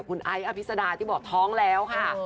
คุณไอ้อภิษดาที่บอกท้องแล้วค่ะ